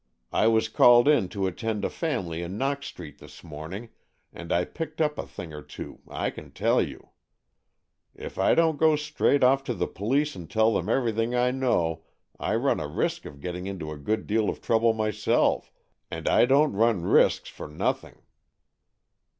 I was called in to attend a family in Knox Street this morning, and I picked up a thing or two, I can tell you. If I don't go straight off to the police and tell them everything I know, I run a risk of get ting into a good deal of trouble myself, and I don't run risks for nothing."